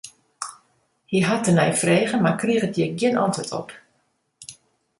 Hy hat der nei frege, mar kriget hjir gjin antwurd op.